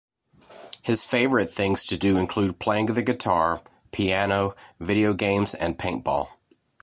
His favorite things to do include playing the guitar, piano, video games and paintball.